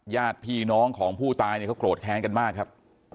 ญาติพี่น้องของผู้ตายเนี่ยเขาโกรธแค้นกันมากครับ